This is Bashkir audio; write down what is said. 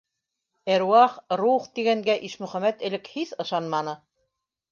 Әруах, рух тигәнгә Ишмөхәмәт элек һис ышанманы.